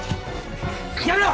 やめろ！